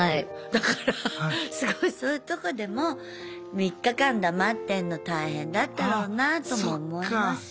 だからすごいそういうとこでも３日間黙ってんの大変だったろうなああそっか。とも思いますよ。